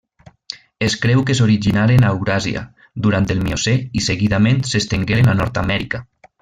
Es creu que s'originaren a Euràsia durant el Miocè i seguidament s'estengueren a Nord-amèrica.